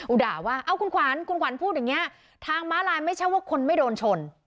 ด่าว่าเอาคุณขวัญคุณขวัญพูดอย่างนี้ทางม้าลายไม่ใช่ว่าคนไม่โดนชน